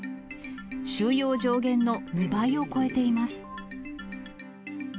収容上限の２倍を超えています。